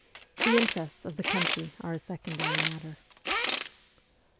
The interests of the country are a secondary matter.